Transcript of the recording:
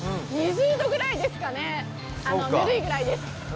２０度ぐらいですかね、ぬるいぐらいです。